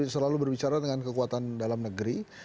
selalu berbicara dengan kekuatan dalam negeri